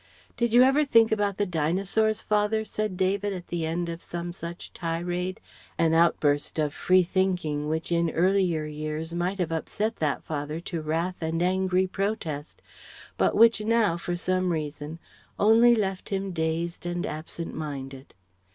"Did you ever think about the Dinosaurs, father?" said David at the end of some such tirade an outburst of free thinking which in earlier years might have upset that father to wrath and angry protest, but which now for some reason only left him dazed and absent minded.